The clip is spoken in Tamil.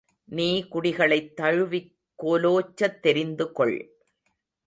நீ குடிகளைத் தழுவிக் கோலோச்சத் தெரிந்துகொள்!